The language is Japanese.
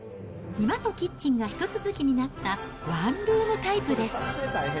居間とキッチンがひと続きになったワンルームタイプです。